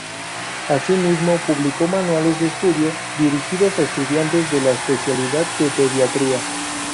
Asimismo publicó manuales de estudio, dirigidos a estudiantes de la especialidad de Pediatría.